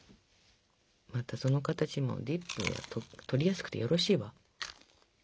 その形もディップ取りやすくてよろしいわ。